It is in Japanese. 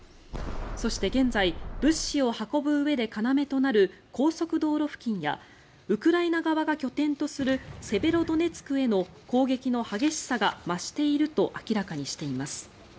そして現在物資を運ぶうえで要となる高速道路付近やウクライナ側が拠点とするセベロドネツクへの攻撃の激しさが増していると明らかにしています。